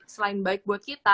selain baik buat kita